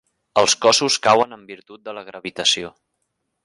Els cossos cauen en virtut de la gravitació.